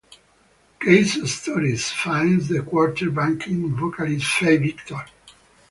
"Kaiso Stories" finds the quartet backing vocalist Fay Victor.